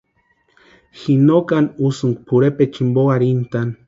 Ji no kani úsïnka pʼorhepecha jimpo arhintʼani.